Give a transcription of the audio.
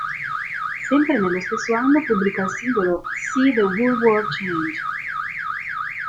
Sempre nello stesso anno pubblica il singolo "See the Whole World Change".